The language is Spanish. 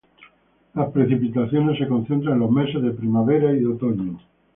Las precipitaciones se concentran en los meses de primavera y otoño.